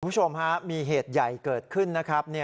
คุณผู้ชมฮะมีเหตุใหญ่เกิดขึ้นนะครับ